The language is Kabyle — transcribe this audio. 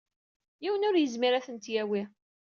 Yiwen ur yezmir ad tent-yawi.